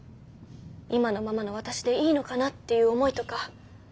今のままの私でいいのかなっていう思いとか。